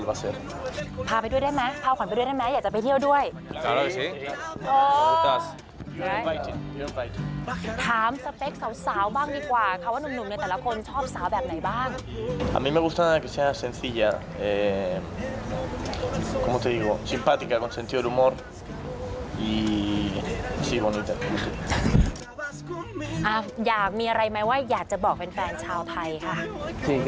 หาเคยใจหาทางคิดสู่ตำแหน่งราชากานตอนที่ไหว